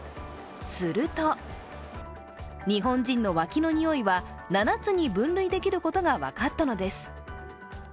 すると日本人の脇のにおいは７つに分類できることが分かったのです。